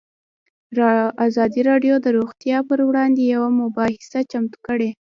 ازادي راډیو د روغتیا پر وړاندې یوه مباحثه چمتو کړې.